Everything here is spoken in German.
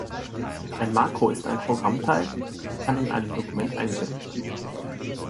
Ein Makro ist ein Programmteil und kann in einem Dokument eingebettet sein.